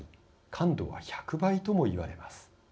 感度は１００倍ともいわれます。